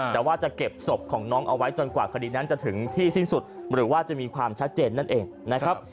แต่ว่าจะเก็บศพของน้องเอาไว้จนกว่าคดีนั้นจะถึงที่สิ้นสุดหรือว่าจะมีความชัดเจนนั่นเองนะครับ